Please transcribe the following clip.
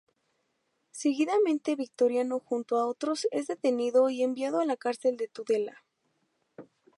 Seguidamente Victoriano junto a otros es detenido y enviado a la cárcel de Tudela.